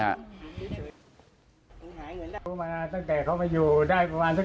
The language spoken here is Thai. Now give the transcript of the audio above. แย๊ปนอนทั้งวัน